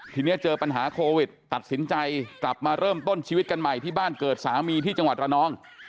ทีนี้เจอปัญหาโควิดตัดสินใจกลับมาเริ่มต้นชีวิตกันใหม่ที่บ้านเกิดสามีที่จังหวัดระนอง